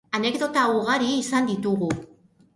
Anekdota ugari izan ditugu.